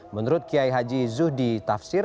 menurut kiai haji zuhdi tafsir